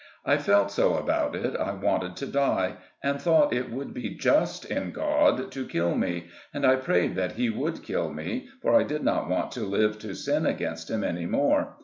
I felt so about it I wanted to die, and thought it would be just in God to kill me, and I prayed that he would kill me, for I did not want to live to sin against him any more.